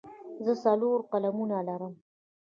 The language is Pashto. زه څلور قلمونه لرم.